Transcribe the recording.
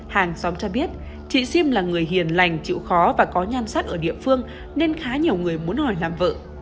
hàng xóm cho biết chị siêm là người hiền lành chịu khó và có nhan sát ở địa phương nên khá nhiều người muốn hỏi làm vợ